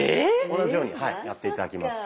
同じようにやって頂きます。